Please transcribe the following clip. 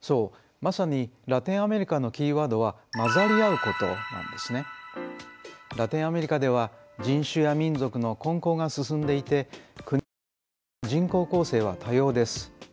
まさにラテンアメリカのキーワードはラテンアメリカでは人種や民族の混交が進んでいて国によって人口構成は多様です。